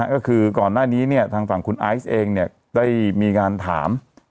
ก็คือก่อนหน้านี้เนี่ยทางฝั่งคุณไอซ์เองได้มีการถาม